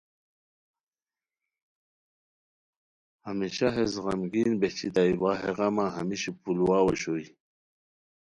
ہمیشہ ہیس غمگین بہچیتائے وا ہے غمہ ہمیش پولوواؤ اوشوئے